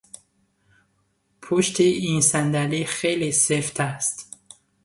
پشتی این صندلی خیلی سفت است.